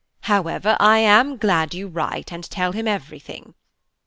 However, I am glad you write and tell him everything."